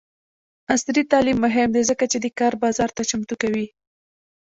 عصري تعلیم مهم دی ځکه چې د کار بازار ته چمتو کوي.